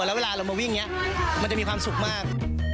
แล้วเวลาเรามาวิ่งนี้มันจะมีความสุขมาก